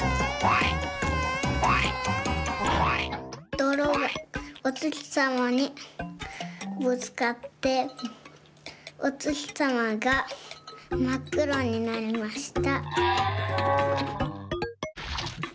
どろがおつきさまにぶつかっておつきさまがまっくろになりました。